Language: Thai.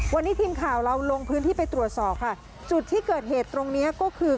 วันนี้ทีมข่าวเราลงพื้นที่ไปตรวจสอบค่ะจุดที่เกิดเหตุตรงเนี้ยก็คือ